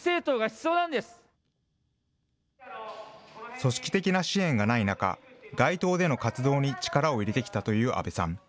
組織的な支援がない中、街頭での活動に力を入れてきたという、阿部さん。